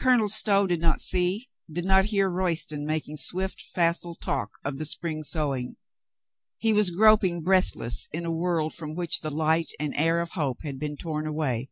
Colonel Stow did not see, did not hear Royston making swift, facile talk of the spring sowing. He was groping breathless in a world from which the light and air of hope had been torn away.